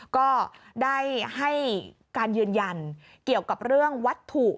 ก็ได้ให้การยืนยันเกี่ยวกับเรื่องวัตถุ